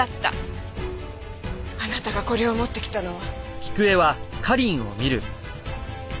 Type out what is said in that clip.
あなたがこれを持ってきたのは。